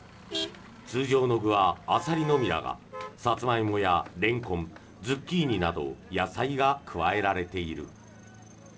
通常の具はアサリのみだがサツマイモやレンコンズッキーニなど野菜が加えられている。